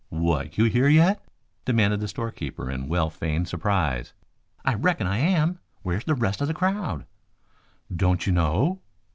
"What, you here yet?" demanded the storekeeper in well feigned surprise. "I reckon I am. Where's the rest of the crowd?" "Don't you know?"